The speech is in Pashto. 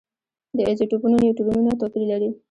د ایزوټوپونو نیوټرونونه توپیر لري.